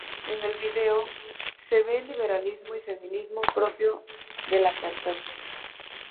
En el video se ve el liberalismo y feminismo propio de la cantante.